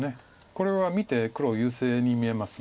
これは見て黒優勢に見えます。